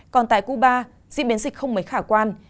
còn tại cuba diễn biến dịch không mấy khả quan